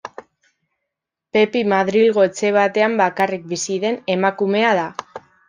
Pepi Madrilgo etxe batean bakarrik bizi den emakumea da.